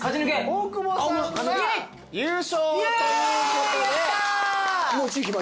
大久保さんが優勝ということで。